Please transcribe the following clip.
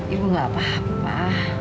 ibu gak apa apa